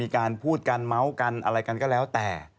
การพูดกันเมาส์กันอะไรกันก็แล้วแต่